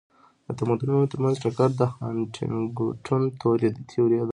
د تمدنونو ترمنځ ټکر د هانټینګټون تيوري ده.